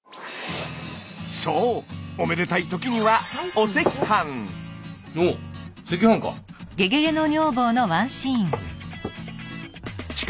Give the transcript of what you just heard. そうおめでたいときにはおぉ赤飯か。